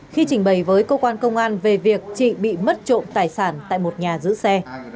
khi trình bày với công an về việc chị bị mất trộn tài sản tại một nhà giữ xe